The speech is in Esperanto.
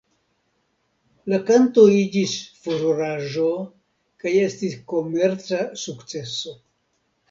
La kanto iĝis furoraĵo kaj estis komerca sukceso.